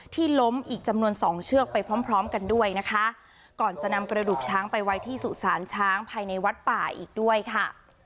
ล้มอีกจำนวนสองเชือกไปพร้อมพร้อมกันด้วยนะคะก่อนจะนำกระดูกช้างไปไว้ที่สุสานช้างภายในวัดป่าอีกด้วยค่ะ